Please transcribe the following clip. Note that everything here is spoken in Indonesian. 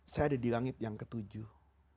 saya ada dilangit yang ketujuh